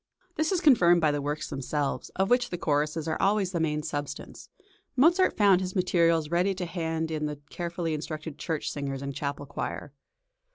This is confirmed by the works themselves, of which the choruses are always the main substance; Mozart found his materials ready to hand in the carefully instructed church singers and chapel choir.